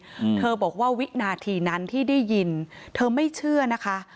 อืมเธอบอกว่าวินาทีนั้นที่ได้ยินเธอไม่เชื่อนะคะ